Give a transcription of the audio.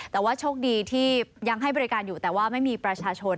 แต่ว่าโชคดีที่ยังให้บริการอยู่แต่ว่าไม่มีประชาชน